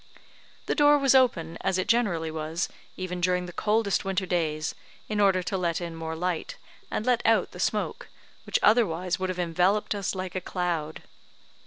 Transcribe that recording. The door was open, as it generally was, even during the coldest winter days, in order to let in more light, and let out the smoke, which otherwise would have enveloped us like a cloud.